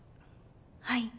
はい。